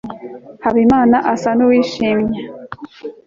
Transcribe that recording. habimana asa nuwishimye